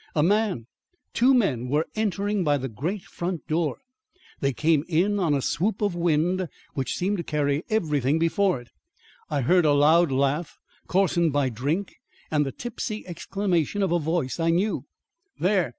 A man two men were entering by the great front door. They came in on a swoop of wind which seemed to carry everything before it. I heard a loud laugh, coarsened by drink, and the tipsy exclamation of a voice I knew: "There!